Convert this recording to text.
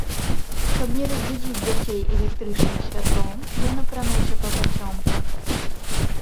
Каб не разбудзіць дзяцей электрычным святлом, ён апрануўся папацёмку.